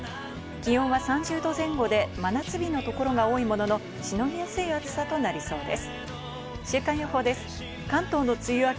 気温は３０度前後で真夏日のところが多いものの、しのぎやすい暑さとなりそうです。